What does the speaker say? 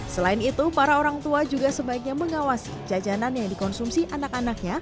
selain itu para orang tua juga sebaiknya mengawasi jajanan yang dikonsumsi anak anaknya